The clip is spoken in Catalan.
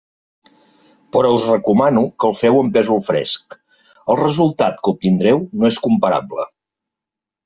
Però us recomano que el feu amb pèsol fresc: el resultat que obtindreu no és comparable.